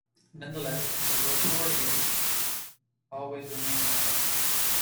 Nonetheless, the "rocardiens" always remained a minority.